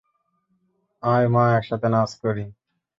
আয় মা, একসাথে নাচ করি।